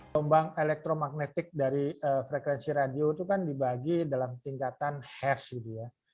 kembang elektromagnetik dari frekuensi radio itu kan dibagi dalam tingkatan hers gitu ya